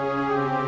bapak sudah selesai